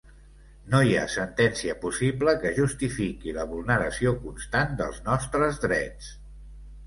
No hi ha sentència possible que justifiqui la vulneració constant dels nostres drets.